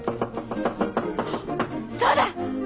そうだ！